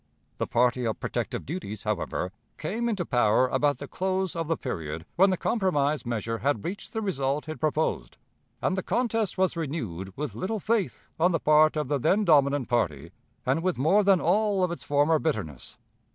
The party of protective duties, however, came into power about the close of the period when the compromise measure had reached the result it proposed, and the contest was renewed with little faith on the part of the then dominant party and with more than all of its former bitterness.